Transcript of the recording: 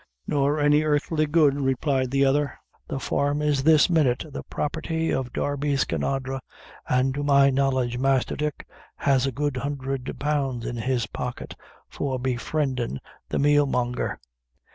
"Nor any earthly good," replied the other. "The farm is this minute the property of Darby Skinadre, an' to my knowledge Master Dick has a good hundred pounds in his pocket for befriendin' the meal monger."